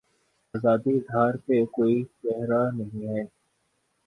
آزادیء اظہارپہ کوئی پہرا نہیں ہے۔